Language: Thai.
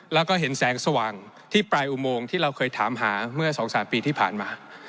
แล้วก็เห็นแสงสว่างที่ปลายอุโมงที่เราเคยถามหาเมื่อ๒๓ปีที่ผ่านมา